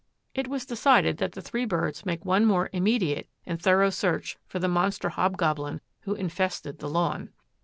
It was decided that the three birds make one more immediate and thorough search for the monster hobgoblin which infested the Lawn.